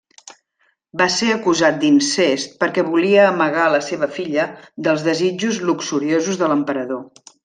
Va ser acusat d'incest perquè volia amagar la seva filla dels desitjos luxuriosos de l'emperador.